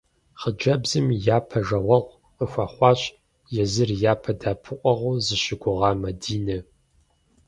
Хъыджэбзым япэ жагъуэгъу къыхуэхъуащ езыр япэ дэӏэпыкъуэгъуу зыщыгугъа Мадинэ.